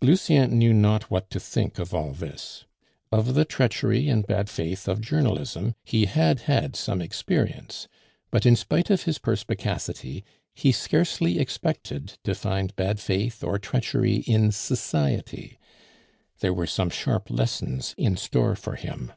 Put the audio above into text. Lucien knew not what to think of all this. Of the treachery and bad faith of journalism he had had some experience; but in spite of his perspicacity, he scarcely expected to find bad faith or treachery in society. There were some sharp lessons in store for him.